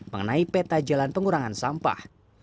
mengenai peta jalan pengurangan sampah